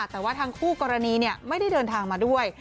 แต่ว่าทางคู่กรณีไม่ได้เดินทางมาด้วย